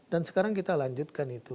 dan sekarang kita lanjutkan itu